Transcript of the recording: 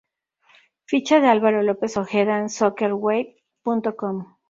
Ficha de Álvaro López Ojeda en Soccerway.com